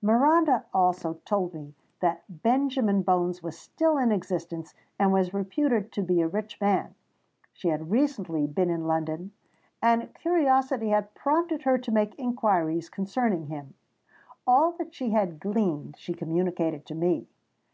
Miranda also told me that Benjamin Bones was still in existence and was reputed to be a rich man. She had recently been in London; and curiosity had prompted her to make inquiries concerning him. All that she had gleaned, she communicated to me.